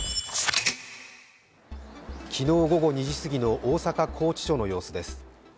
昨日午後２時すぎの大阪拘置所の様子です。